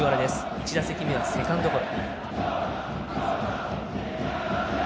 １打席目はセカンドゴロ。